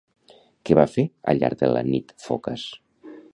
Què va fer al llarg de la nit Focas?